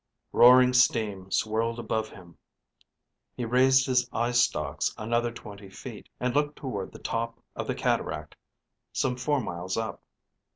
_Roaring steam swirled above him. He raised his eye stalks another twenty feet and looked toward the top of the cataract some four miles up.